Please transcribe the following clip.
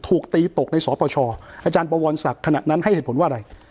ถูกตีตกในสปชอาจารย์บวรศักดิ์ขณะนั้นให้เหตุผลว่าอะไร